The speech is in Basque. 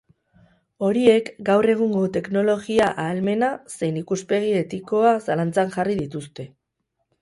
Horiek gaur egungo teknologia-ahalmena zein ikuspegi etikoa zalantzan jarri dituzte.